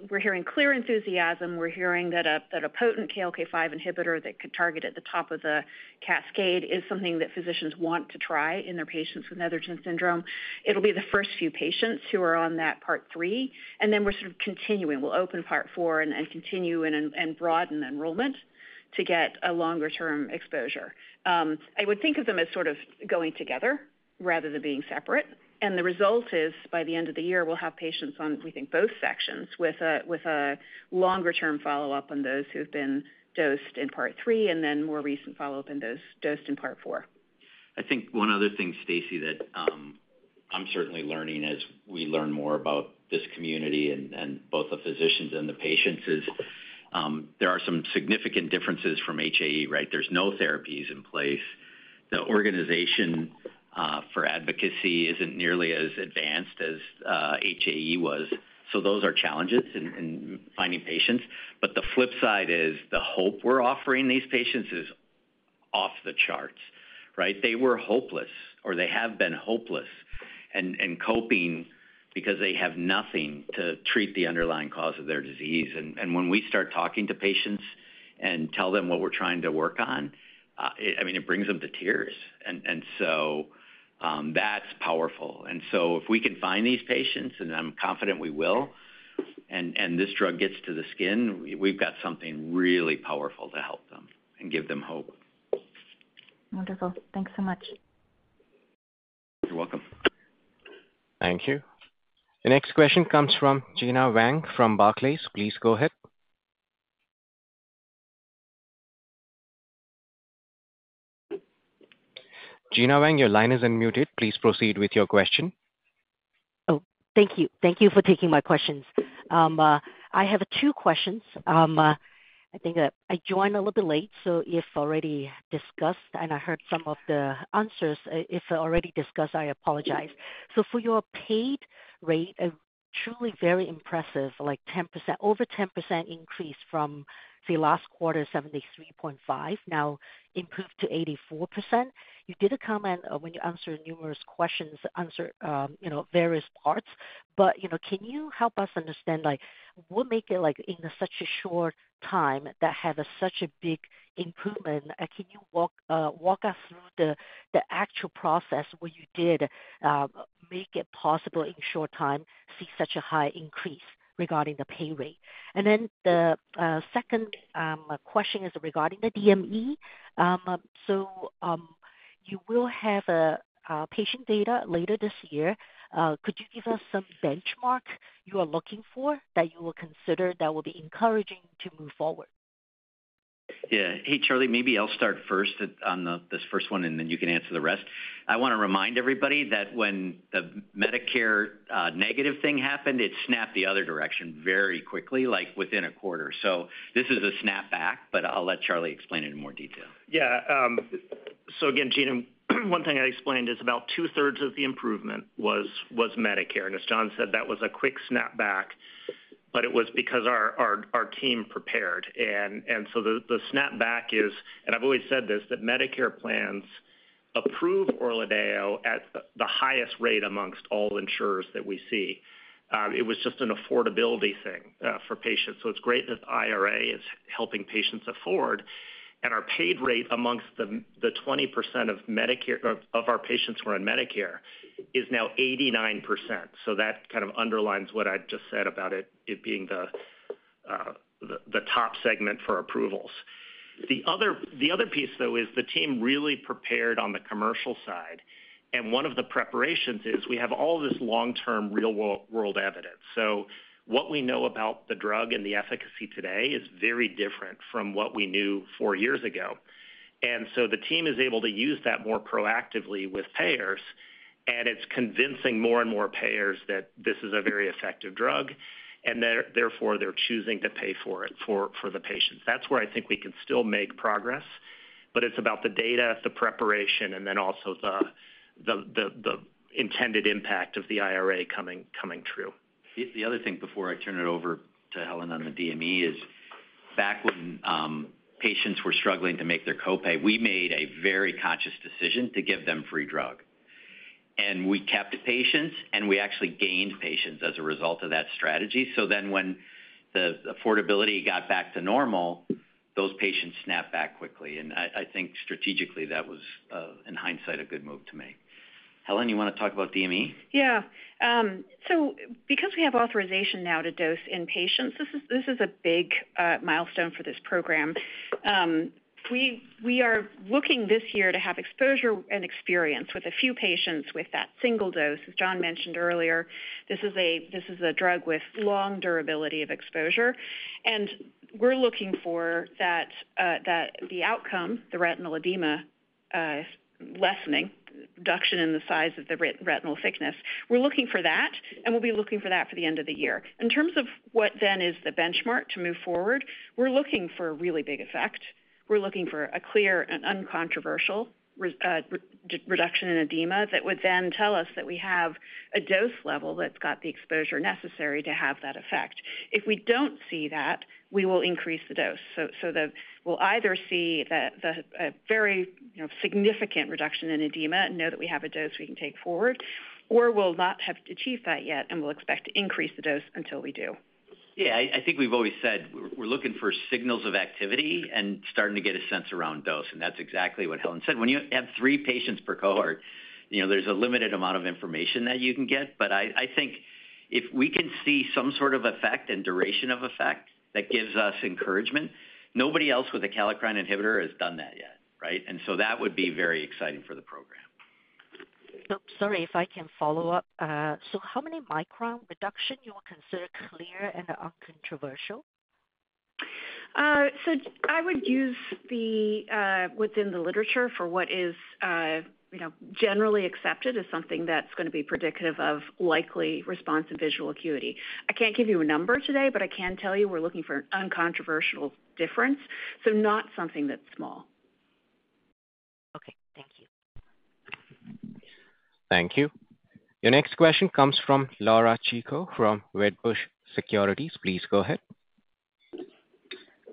we're hearing clear enthusiasm. We're hearing that a potent KLK5 inhibitor that could target at the top of the cascade is something that physicians want to try in their patients with Netherton syndrome. It'll be the first few patients who are on that part three. We are sort of continuing. We'll open part four and continue and broaden enrollment to get a longer-term exposure. I would think of them as sort of going together rather than being separate. The result is by the end of the year, we'll have patients on, we think, both sections with a longer-term follow-up on those who've been dosed in part three and then more recent follow-up in those dosed in part four. I think one other thing, Stacey, that I'm certainly learning as we learn more about this community and both the physicians and the patients is there are some significant differences from HAE, right? There's no therapies in place. The organization for advocacy isn't nearly as advanced as HAE was. Those are challenges in finding patients. The flip side is the hope we're offering these patients is off the charts, right? They were hopeless, or they have been hopeless and coping because they have nothing to treat the underlying cause of their disease. When we start talking to patients and tell them what we're trying to work on, I mean, it brings them to tears. That is powerful. If we can find these patients, and I'm confident we will, and this drug gets to the skin, we've got something really powerful to help them and give them hope. Wonderful. Thanks so much. You're welcome. Thank you. The next question comes from Gena Wang from Barclays. Please go ahead. Gena Wang, your line is unmuted. Please proceed with your question. Oh, thank you. Thank you for taking my questions. I have two questions. I think I joined a little bit late, so if already discussed, and I heard some of the answers. If already discussed, I apologize. For your pay rate, truly very impressive, like 10%, over 10% increase from the last quarter, 73.5, now improved to 84%. You did a comment when you answered numerous questions, answered various parts. Can you help us understand what make it in such a short time that have such a big improvement? Can you walk us through the actual process where you did make it possible in short time see such a high increase regarding the pay rate? The second question is regarding the DME. You will have patient data later this year. Could you give us some benchmark you are looking for that you will consider that will be encouraging to move forward? Yeah. Hey, Charlie, maybe I'll start first on this first one, and then you can answer the rest. I want to remind everybody that when the Medicare negative thing happened, it snapped the other direction very quickly, like within a quarter. This is a snap back, but I'll let Charlie explain it in more detail. Yeah. Again, Gena, one thing I explained is about two-thirds of the improvement was Medicare. As John said, that was a quick snap back, but it was because our team prepared. The snap back is, and I've always said this, that Medicare plans approve ORLADEYO at the highest rate amongst all insurers that we see. It was just an affordability thing for patients. It's great that the IRA is helping patients afford. Our paid rate amongst the 20% of our patients who are on Medicare is now 89%. That kind of underlines what I've just said about it being the top segment for approvals. The other piece, though, is the team really prepared on the commercial side. One of the preparations is we have all this long-term real-world evidence. What we know about the drug and the efficacy today is very different from what we knew four years ago. The team is able to use that more proactively with payers, and it's convincing more and more payers that this is a very effective drug, and therefore they're choosing to pay for it for the patients. That's where I think we can still make progress, but it's about the data, the preparation, and then also the intended impact of the IRA coming true. The other thing before I turn it over to Helen on the DME is back when patients were struggling to make their copay, we made a very conscious decision to give them free drug. We kept patients, and we actually gained patients as a result of that strategy. When the affordability got back to normal, those patients snapped back quickly. I think strategically that was, in hindsight, a good move to make. Helen, you want to talk about DME? Yeah. Because we have authorization now to dose in patients, this is a big milestone for this program. We are looking this year to have exposure and experience with a few patients with that single dose. As John mentioned earlier, this is a drug with long durability of exposure. We are looking for the outcome, the retinal edema lessening, reduction in the size of the retinal thickness, we are looking for that, and we will be looking for that for the end of the year. In terms of what then is the benchmark to move forward, we are looking for a really big effect. We are looking for a clear and uncontroversial reduction in edema that would then tell us that we have a dose level that has the exposure necessary to have that effect. If we do not see that, we will increase the dose. We will either see a very significant reduction in edema and know that we have a dose we can take forward, or we will not have achieved that yet and we will expect to increase the dose until we do. Yeah. I think we've always said we're looking for signals of activity and starting to get a sense around dose. That's exactly what Helen said. When you have three patients per cohort, there's a limited amount of information that you can get. I think if we can see some sort of effect and duration of effect that gives us encouragement, nobody else with a Kallikrein inhibitor has done that yet, right? That would be very exciting for the program. Oh, sorry, if I can follow up. How many micron reduction will you consider clear and uncontroversial? I would use the within the literature for what is generally accepted as something that's going to be predictive of likely response and visual acuity. I can't give you a number today, but I can tell you we're looking for an uncontroversial difference, so not something that's small. Okay. Thank you. Thank you. The next question comes from Laura Chico from Wedbush Securities. Please go ahead.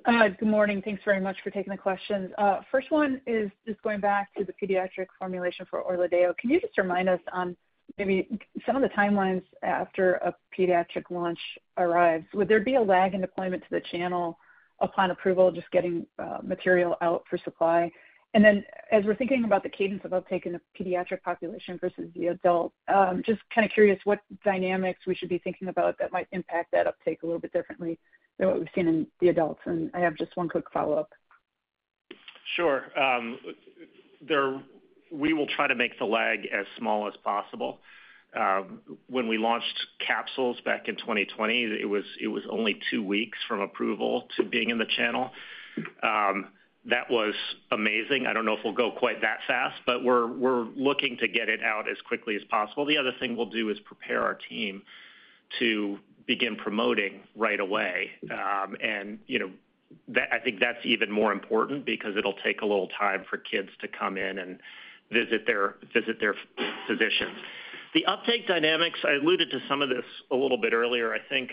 Good morning. Thanks very much for taking the questions. First one is just going back to the pediatric formulation for ORLADEYO. Can you just remind us on maybe some of the timelines after a pediatric launch arrives? Would there be a lag in deployment to the channel upon approval, just getting material out for supply? As we're thinking about the cadence of uptake in the pediatric population versus the adult, just kind of curious what dynamics we should be thinking about that might impact that uptake a little bit differently than what we've seen in the adults. I have just one quick follow-up. Sure. We will try to make the lag as small as possible. When we launched capsules back in 2020, it was only two weeks from approval to being in the channel. That was amazing. I do not know if we will go quite that fast, but we are looking to get it out as quickly as possible. The other thing we will do is prepare our team to begin promoting right away. I think that is even more important because it will take a little time for kids to come in and visit their physicians. The uptake dynamics, I alluded to some of this a little bit earlier. I think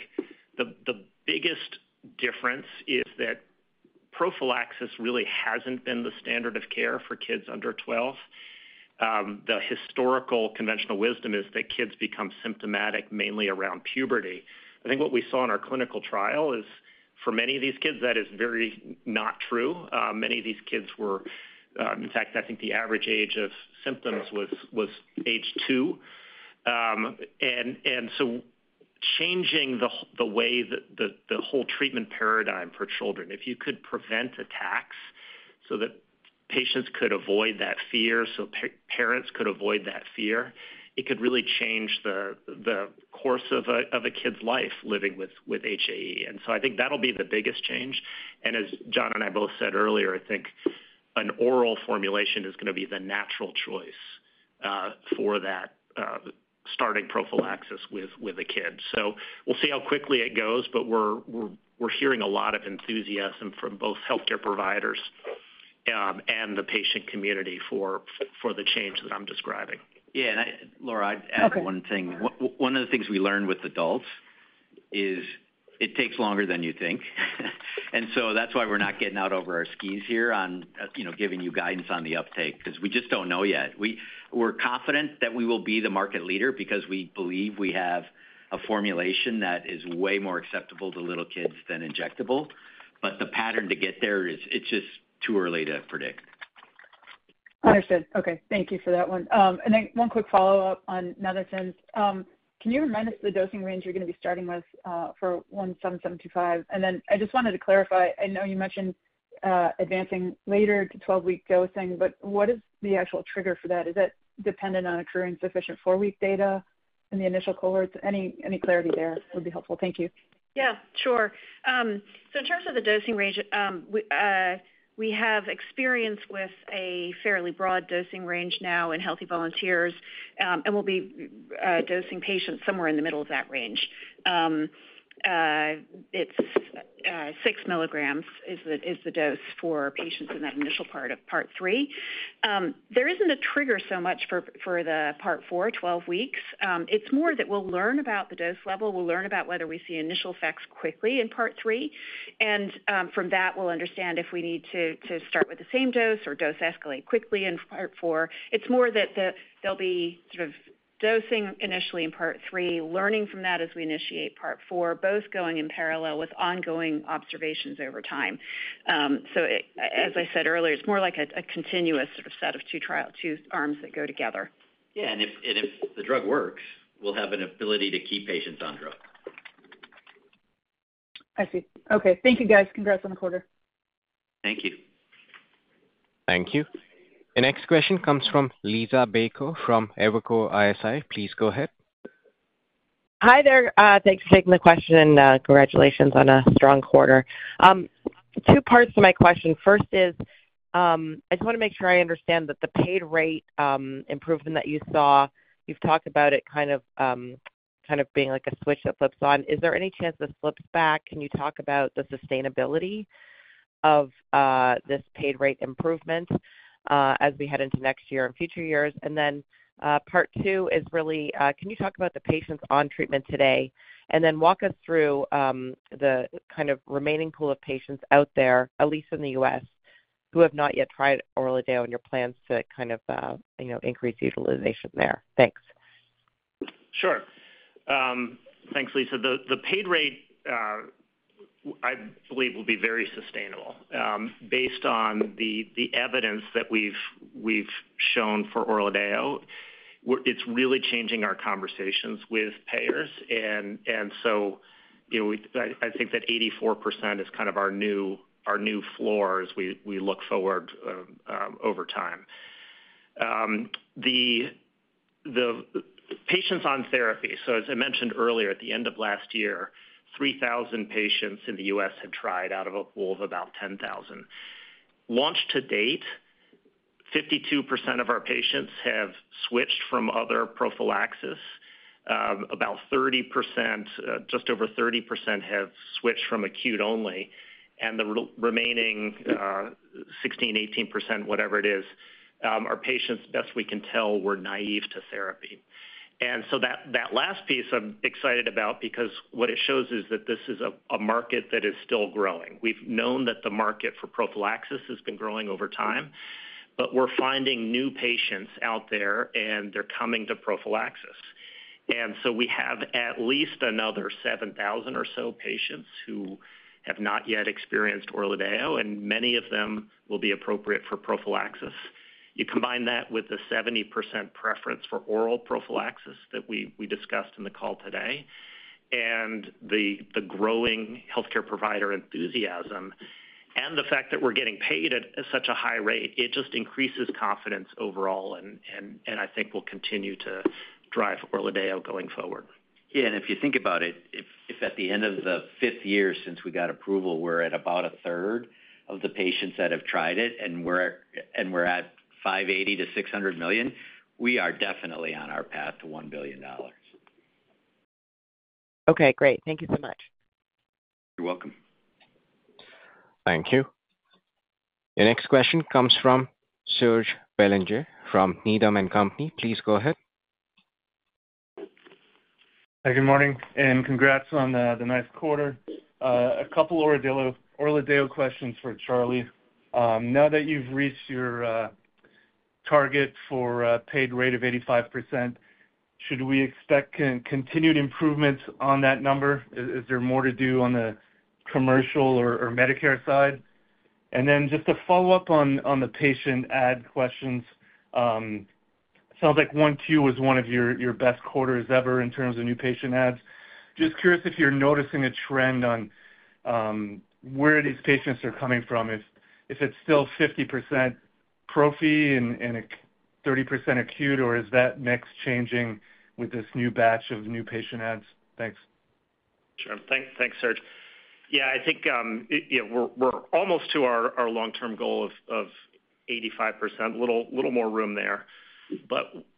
the biggest difference is that prophylaxis really has not been the standard of care for kids under 12. The historical conventional wisdom is that kids become symptomatic mainly around puberty. I think what we saw in our clinical trial is for many of these kids, that is very not true. Many of these kids were, in fact, I think the average age of symptoms was age two. Changing the way that the whole treatment paradigm for children, if you could prevent attacks so that patients could avoid that fear, so parents could avoid that fear, it could really change the course of a kid's life living with HAE. I think that'll be the biggest change. As John and I both said earlier, I think an oral formulation is going to be the natural choice for that starting prophylaxis with a kid. We'll see how quickly it goes, but we're hearing a lot of enthusiasm from both healthcare providers and the patient community for the change that I'm describing. Yeah. Laura, I'd add one thing. One of the things we learned with adults is it takes longer than you think. That is why we're not getting out over our skis here on giving you guidance on the uptake because we just do not know yet. We're confident that we will be the market leader because we believe we have a formulation that is way more acceptable to little kids than injectable. The pattern to get there, it's just too early to predict. Understood. Okay. Thank you for that one. One quick follow-up on Netherton's. Can you remind us of the dosing range you're going to be starting with for 17725? I just wanted to clarify. I know you mentioned advancing later to 12-week dosing, but what is the actual trigger for that? Is it dependent on accruing sufficient four-week data in the initial cohorts? Any clarity there would be helpful. Thank you. Yeah. Sure. In terms of the dosing range, we have experience with a fairly broad dosing range now in Healthy Volunteers, and we'll be dosing patients somewhere in the middle of that range. It's 6 mg is the dose for patients in that initial part of part three. There isn't a trigger so much for the part four, 12 weeks. It's more that we'll learn about the dose level. We'll learn about whether we see initial effects quickly in part three. From that, we'll understand if we need to start with the same dose or dose escalate quickly in part four. It's more that there'll be sort of dosing initially in part three, learning from that as we initiate part four, both going in parallel with ongoing observations over time. As I said earlier, it's more like a continuous sort of set of two arms that go together. Yeah. If the drug works, we'll have an ability to keep patients on drugs. I see. Okay. Thank you, guys. Congrats on the quarter. Thank you. Thank you. The next question comes from Liisa Bayko from Evercore ISI. Please go ahead. Hi there. Thanks for taking the question. Congratulations on a strong quarter. Two parts to my question. First is I just want to make sure I understand that the paid rate improvement that you saw, you've talked about it kind of being like a switch that flips on. Is there any chance this flips back? Can you talk about the sustainability of this paid rate improvement as we head into next year and future years? Part two is really, can you talk about the patients on treatment today? Then walk us through the kind of remaining pool of patients out there, at least in the U.S., who have not yet tried ORLADEYO and your plans to kind of increase utilization there. Thanks. Sure. Thanks, Liisa. The paid rate, I believe, will be very sustainable. Based on the evidence that we've shown for ORLADEYO, it's really changing our conversations with payers. I think that 84% is kind of our new floor as we look forward over time. The patients on therapy, as I mentioned earlier, at the end of last year, 3,000 patients in the U.S. had tried out of a pool of about 10,000. Launched to date, 52% of our patients have switched from other prophylaxis. About 30%, just over 30%, have switched from acute only. The remaining 16-18%, whatever it is, our patients, best we can tell, were naive to therapy. That last piece I'm excited about because what it shows is that this is a market that is still growing. We've known that the market for prophylaxis has been growing over time, but we're finding new patients out there, and they're coming to prophylaxis. We have at least another 7,000 or so patients who have not yet experienced ORLADEYO, and many of them will be appropriate for prophylaxis. You combine that with the 70% preference for oral prophylaxis that we discussed in the call today, the growing healthcare provider enthusiasm, and the fact that we're getting paid at such a high rate, it just increases confidence overall, and I think will continue to drive ORLADEYO going forward. Yeah. If you think about it, if at the end of the fifth year since we got approval, we're at about a third of the patients that have tried it, and we're at $580 million-$600 million, we are definitely on our path to $1 billion. Okay. Great. Thank you so much. You're welcome. Thank you. The next question comes from Serge Belanger from Needham & Company. Please go ahead. Hi, good morning, and congrats on the nice quarter. A couple of ORLADEYO questions for Charlie. Now that you've reached your target for a paid rate of 85%, should we expect continued improvements on that number? Is there more to do on the commercial or Medicare side? Just to follow up on the patient ad questions, it sounds like 1Q was one of your best quarters ever in terms of new patient ads. Just curious if you're noticing a trend on where these patients are coming from, if it's still 50% prophylaxis and 30% acute, or is that mix changing with this new batch of new patient ads? Thanks. Sure. Thanks, Serge. Yeah. I think we're almost to our long-term goal of 85%, a little more room there.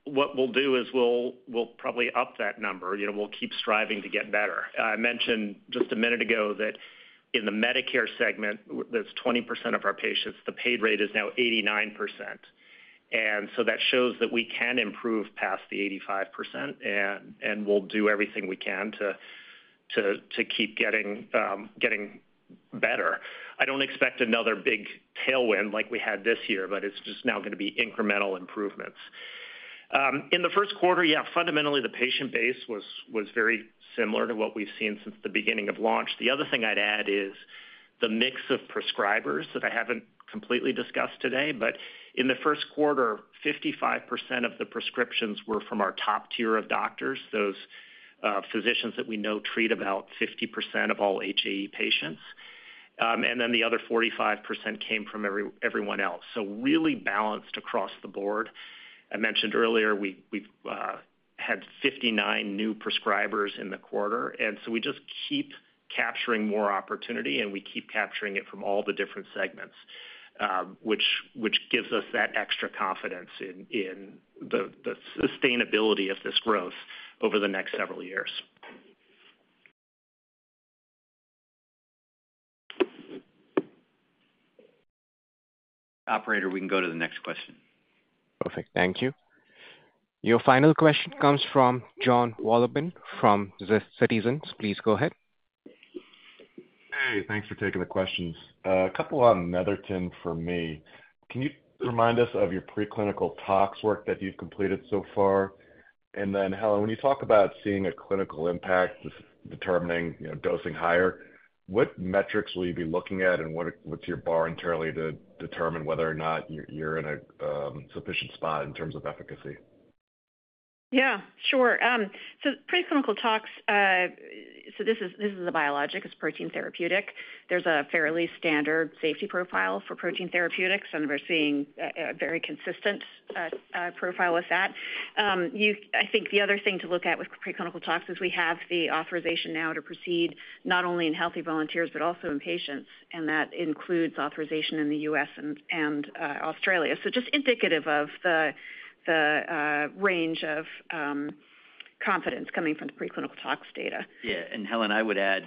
What we'll do is we'll probably up that number. We'll keep striving to get better. I mentioned just a minute ago that in the Medicare segment, that's 20% of our patients, the paid rate is now 89%. That shows that we can improve past the 85%, and we'll do everything we can to keep getting better. I don't expect another big tailwind like we had this year, but it is just now going to be incremental improvements. In the first quarter, yeah, fundamentally, the patient base was very similar to what we've seen since the beginning of launch. The other thing I'd add is the mix of prescribers that I haven't completely discussed today. In the first quarter, 55% of the prescriptions were from our top tier of doctors, those physicians that we know treat about 50% of all HAE patients. The other 45% came from everyone else. Really balanced across the board. I mentioned earlier we have had 59 new prescribers in the quarter. We just keep capturing more opportunity, and we keep capturing it from all the different segments, which gives us that extra confidence in the sustainability of this growth over the next several years. Operator, we can go to the next question. Perfect. Thank you. Your final question comes from Jon Wolleben from Citizens. Please go ahead. Hey, thanks for taking the questions. A couple on Netherton for me. Can you remind us of your preclinical tox work that you've completed so far? Helen, when you talk about seeing a clinical impact determining dosing higher, what metrics will you be looking at, and what's your bar internally to determine whether or not you're in a sufficient spot in terms of efficacy? Yeah. Sure. Preclinical tox, so this is a biologic. It's a protein therapeutic. There's a fairly standard safety profile for protein therapeutics, and we're seeing a very consistent profile with that. I think the other thing to look at with preclinical tox is we have the authorization now to proceed not only in Healthy Volunteers, but also in patients. That includes authorization in the U.S. and Australia. Just indicative of the range of confidence coming from the preclinical tox data. Yeah. Helen, I would add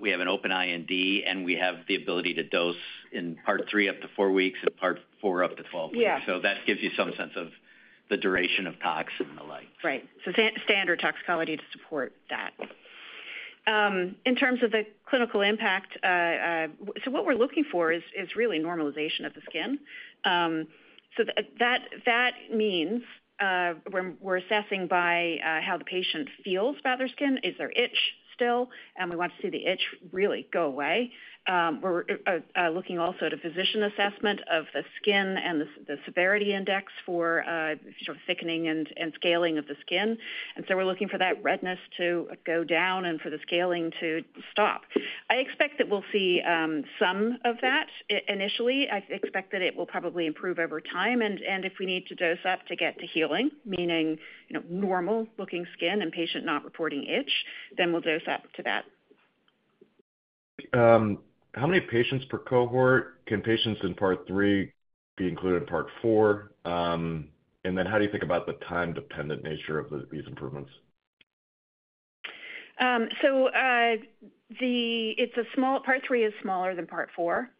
we have an open IND, and we have the ability to dose in part three up to four weeks and part four up to 12 weeks. That gives you some sense of the duration of talks and the like. Right. Standard toxicology to support that. In terms of the clinical impact, what we're looking for is really normalization of the skin. That means we're assessing by how the patient feels about their skin. Is there itch still? We want to see the itch really go away. We're looking also at a physician assessment of the skin and the severity index for thickening and scaling of the skin. We're looking for that redness to go down and for the scaling to stop. I expect that we'll see some of that initially. I expect that it will probably improve over time. If we need to dose up to get to healing, meaning normal-looking skin and patient not reporting itch, then we'll dose up to that. How many patients per cohort? Can patients in part three be included in part four? How do you think about the time-dependent nature of these improvements? Part three is smaller than part four.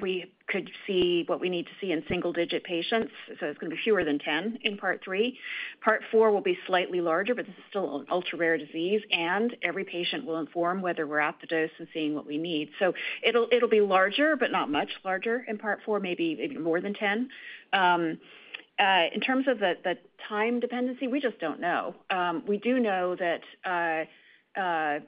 We could see what we need to see in single-digit patients. It is going to be fewer than 10 in part three. Part four will be slightly larger, but this is still an ultra-rare disease. Every patient will inform whether we are at the dose and seeing what we need. It will be larger, but not much larger in part four, maybe even more than 10. In terms of the time dependency, we just do not know. We do know that we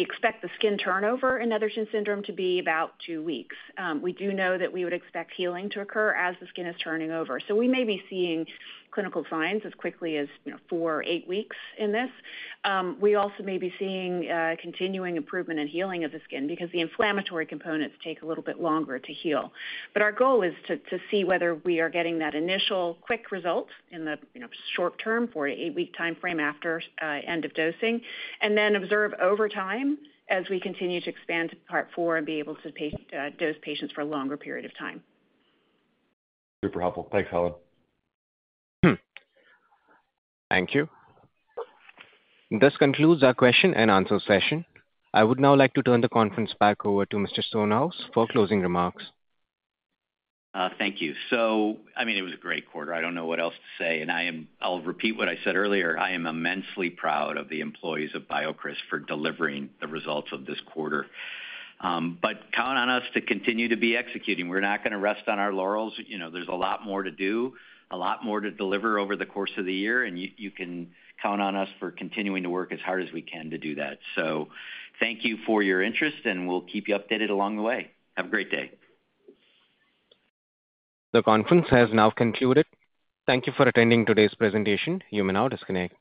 expect the skin turnover in Netherton syndrome to be about two weeks. We do know that we would expect healing to occur as the skin is turning over. We may be seeing clinical signs as quickly as four or eight weeks in this. We also may be seeing continuing improvement and healing of the skin because the inflammatory components take a little bit longer to heal. Our goal is to see whether we are getting that initial quick result in the short-term four to eight-week timeframe after end of dosing, and then observe over time as we continue to expand to part four and be able to dose patients for a longer period of time. Super helpful. Thanks, Helen. Thank you. This concludes our question and answer session. I would now like to turn the conference back over to Mr. Stonehouse for closing remarks. Thank you. I mean, it was a great quarter. I don't know what else to say. I'll repeat what I said earlier. I am immensely proud of the employees of BioCryst for delivering the results of this quarter. Count on us to continue to be executing. We're not going to rest on our laurels. There's a lot more to do, a lot more to deliver over the course of the year. You can count on us for continuing to work as hard as we can to do that. Thank you for your interest, and we'll keep you updated along the way. Have a great day. The conference has now concluded. Thank you for attending today's presentation. You may now disconnect.